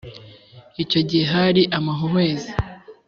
icyo gihe hari amahuhwezi